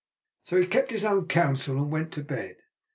So he kept his own counsel and went to bed.